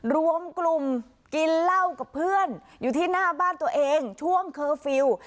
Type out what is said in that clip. รวมกลุ่มกินเหล้ากับเพื่อนอยู่ที่หน้าบ้านตัวเองช่วงเคอร์ฟิลล์